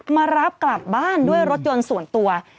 มารับกลับบ้านด้วยรถยนต์ส่วนตัว